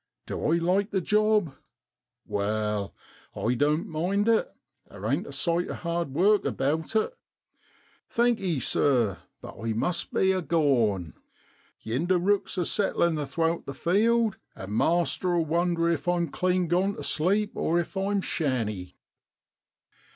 Du I like the job ? Wai, I doan't mind it, there ain't a sight o'hard work about it. Thankee ! sir, but I must be a goin', yinder rooks are settlin' athowt the field, an' master'll wonder if I'm clean gone tu sleep or if I'm shanny